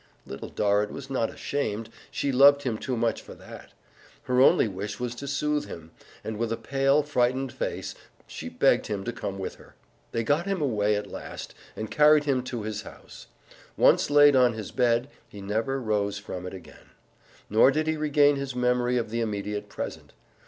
Little Dorrit was not ashamed she loved him too much for that. Her only wish was to soothe him, and with a pale, frightened face, she begged him to come with her. They got him away at last and carried him to his house. Once laid on his bed, he never rose from it again. Nor did he regain his memory of the immediate present.